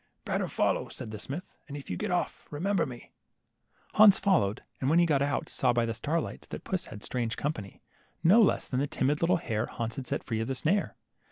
Better follow," said the smith, and if you get off, remember me." Hans followed, and when he got out, saw by the starlight that puss had strange company, no less than the timid little hare Hans had set free of the snare.